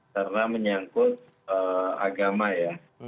karena menyangkut agama ya